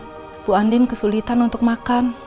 ibu andin kesulitan untuk makan